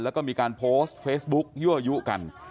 แล้วก็มีการโพสต์เฟซบุ๊กยั่วยุกัน